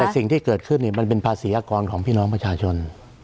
แต่สิ่งที่เกิดขึ้นมันเป็นภาษีอากรของพี่น้องประชาชน